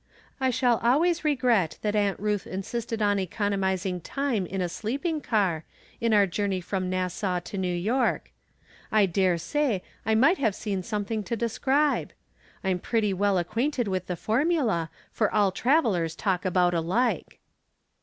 I shall always regret that Aunt Ruth insisted on economizing time in a sleeping car, in our journey from Nassau to New York. I dare say I might have seen something to describe. I'm pretty well acqiiainted with the formula, for aU travelers talk about alike.